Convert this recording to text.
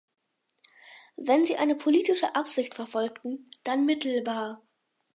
Wenn sie eine politische Absicht verfolgten, dann mittelbar.